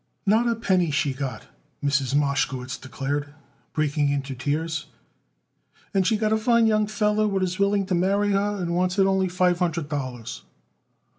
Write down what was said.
"Not a penny she got it," Mrs. Mashkowitz declared, breaking into tears. "And she got a fine young feller what is willing to marry her and wants it only five hundred dollars."